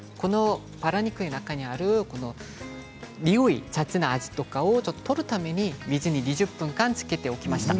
バラ肉の中にあるにおい雑な味とかを取るために水に２０分間つけておきました。